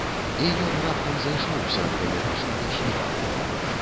І ён раптам зайшоўся ад гамерычнага смеху.